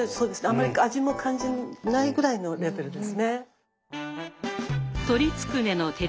あんまり味も感じないぐらいのレベルですね。